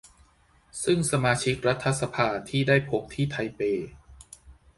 ซึ่งสมาชิกรัฐสภาที่ได้พบที่ไทเป